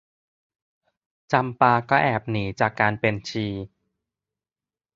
จำปาก็แอบหนีจากการเป็นชี